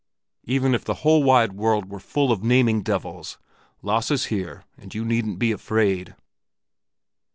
Even if the whole wide world were full of naming devils, Lasse's here and you needn't be afraid!"